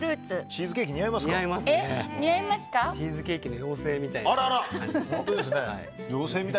チーズケーキの妖精みたいな。